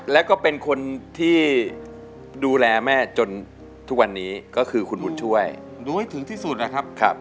แล้วก็เป็นคนที่ดูแลแม่จนทุกวันนี้ก็คือคุณบุญช่วยดูให้ถึงที่สุดนะครับ